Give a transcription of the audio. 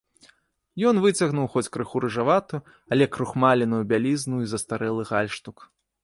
Ён выцягнуў хоць крыху рыжаватую, але крухмаленую бялізну і застарэлы гальштук.